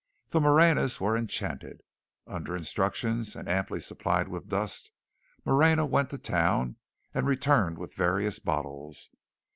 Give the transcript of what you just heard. The Moreñas were enchanted. Under instructions, and amply supplied with dust, Moreña went to town and returned with various bottles.